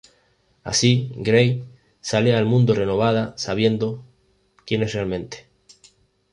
Así Gray sale al mundo renovada sabiendo quien es realmente.